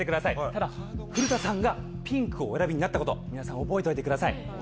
ただ古田さんがピンクをお選びになったこと皆さん覚えておいてください。